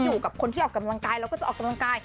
อยู่กับคนที่ออกกำลังกายแล้วก็จะออกกำลังกาย